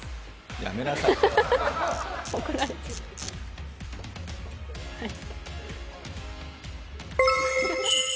やめなさい。